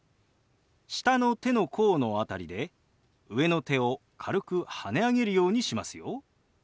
下の手の甲の辺りで上の手を軽くはね上げるようにしますよ。